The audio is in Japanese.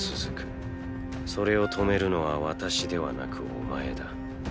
それを止めるのは私ではなくお前だ。